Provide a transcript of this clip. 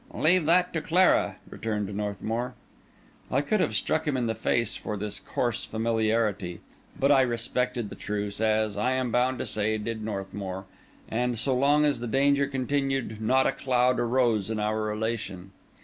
"Leave that to Clara," returned Northmour. I could have struck him in the face for this coarse familiarity; but I respected the truce, as, I am bound to say, did Northmour, and so long as the danger continued not a cloud arose in our relation.